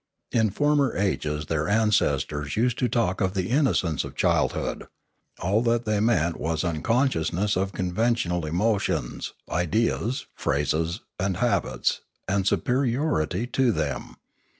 In former ages their ancestors used to talk of the innocence of childhood; all that they meant was unconsciousness of conventional emotions, ideas, phrases, and habits, and superiority to them.